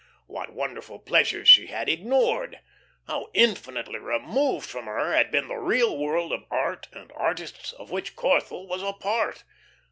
What wonderful pleasures she had ignored! How infinitely removed from her had been the real world of art and artists of which Corthell was a part!